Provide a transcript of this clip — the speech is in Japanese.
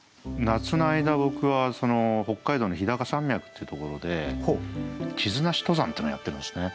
夏の間僕は北海道の日高山脈っていうところで地図なし登山っていうのをやってるんですね。